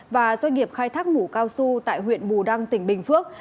và doanh nghiệp khai thác mù cao su tại huyện bù đăng tỉnh bình phước